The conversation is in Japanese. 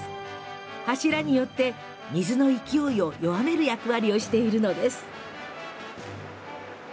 柱によって水の勢いを弱める役割をしているのです。